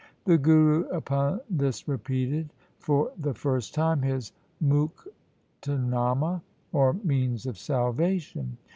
The Guru upon this repeated for the first time his ' Muktnama ', or means of salvation.